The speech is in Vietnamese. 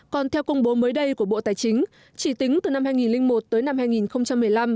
còn theo công bố mới đây của bộ tài chính chỉ tính từ năm hai nghìn một tới năm hai nghìn một mươi năm